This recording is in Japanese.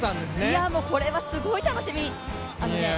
これはすごい楽しみ。